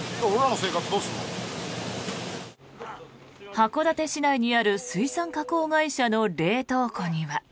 函館市内にある水産加工会社の冷凍庫には。